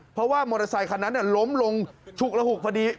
เพราะว่ามอเตอร์ไซคันนั้นล้มลงฉุกระหุกพอดี